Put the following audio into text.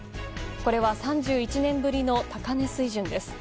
これは３１年ぶりの高値水準です。